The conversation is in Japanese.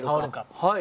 はい。